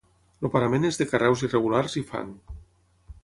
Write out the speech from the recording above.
El parament és de carreus irregulars i fang.